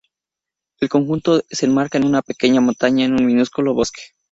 El conjunto se enmarca en una pequeña montaña con un minúsculo bosque.